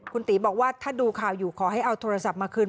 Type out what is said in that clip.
คุณตีบอกว่าถ้าดูข่าวอยู่ขอให้เอาโทรศัพท์มาคืน